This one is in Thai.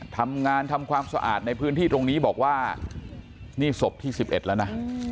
ทำงานทำความสะอาดในพื้นที่ตรงนี้บอกว่านี่ศพที่๑๑แล้วนะ